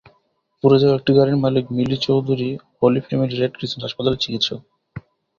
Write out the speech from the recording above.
পুড়ে যাওয়া একটি গাড়ির মালিক Mili Chowdhury Holy Family Red Crescent হাসপাতালের চিকিৎসক।